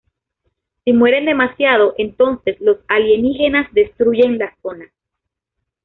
Si mueren demasiado, entonces los alienígenas destruyen la zona.